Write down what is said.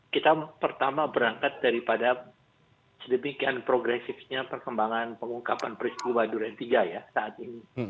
kita pertama berangkat daripada sedemikian progresifnya perkembangan pengungkapan peristiwa duren tiga ya saat ini